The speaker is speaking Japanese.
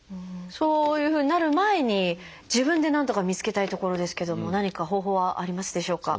そういうふうになる前に自分でなんとか見つけたいところですけども何か方法はありますでしょうか？